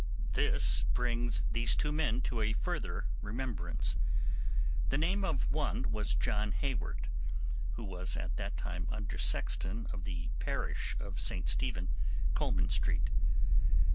This brings these two men to a further remembrance. The name of one was John Hayward, who was at that time undersexton of the parish of St Stephen, Coleman Street.